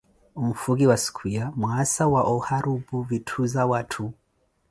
onfukiwa sikhuya mwaasa wa oharupu witthu za watthu.